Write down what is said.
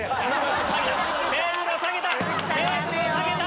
テーブルを下げた！